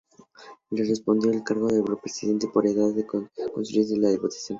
Le correspondió el cargo de vicepresidente, por edad, al constituirse la Diputación.